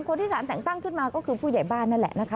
คนที่สารแต่งตั้งขึ้นมาก็คือผู้ใหญ่บ้านนั่นแหละนะคะ